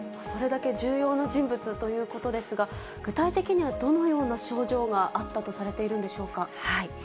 それだけ重要な人物ということですが、具体的には、どのような症状があったとされているんでしょうか。